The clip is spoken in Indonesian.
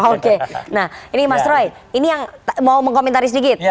oke nah ini mas roy ini yang mau mengkomentari sedikit